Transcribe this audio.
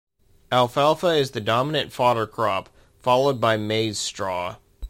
Alfalfa is the dominant fodder crop, followed by maize straw.